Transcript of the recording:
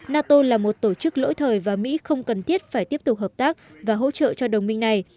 nato là một tổ chức lỗi thời và mỹ không cần thiết phải tiếp tục hợp tác và hỗ trợ cho đồng minh này